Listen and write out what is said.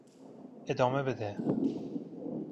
ادامه بده!